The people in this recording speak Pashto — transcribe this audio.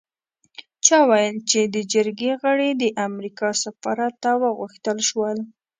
چا ویل چې د جرګې غړي د امریکا سفارت ته وغوښتل شول.